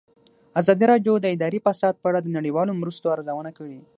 ازادي راډیو د اداري فساد په اړه د نړیوالو مرستو ارزونه کړې.